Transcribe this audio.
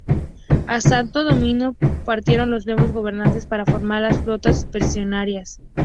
A Santo Domingo partieron los nuevos gobernadores para formar las flotas expedicionarias.